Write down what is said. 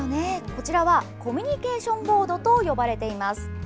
こちらはコミュニケーションボードと呼ばれています。